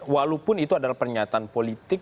walaupun itu adalah pernyataan politik